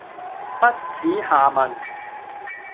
不恥下問